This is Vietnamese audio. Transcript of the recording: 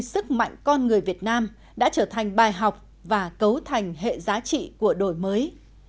sức mạnh con người việt nam đã trở thành bài học và cấu thành hệ giá trị của đổi mới